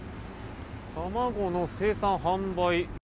卵の生産・販売。